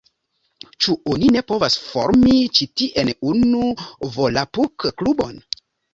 Ĉu oni ne povas formi ĉi tien unu volapuk-klubon?